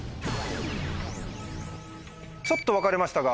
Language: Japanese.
ちょっと分かれましたが。